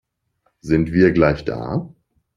Sind wir gleich da?